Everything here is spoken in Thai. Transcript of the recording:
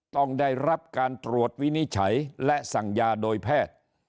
ต้องได้รับการตรวจวินิจฉัยและสั่งยาโดยแพทย์